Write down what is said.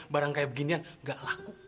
barang kayak beginian gak laku